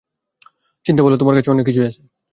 চিদা বললো তোমার কাছে, কিছু ইন্টালিজেন্স রিপোর্ট আছে।